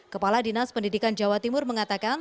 kepala dinas pendidikan jawa timur mengatakan